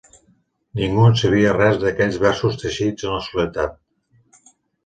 Ningú en sabia res d'aquells versos teixits en la soledat